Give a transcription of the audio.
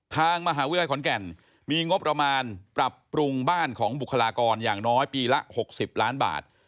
ทางมหาวิทยาลัยขอนแก่นมีงบประมาณปรับปรุงบ้านของบุคลากรอย่างน้อยปีละ๖๐ล้านบาท